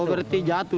oh berarti jatuh